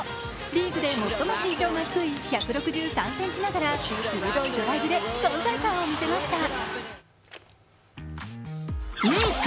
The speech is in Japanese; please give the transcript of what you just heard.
リーグで最も身長が低い１６３ｃｍながら鋭いドラブルで存在感を見せました。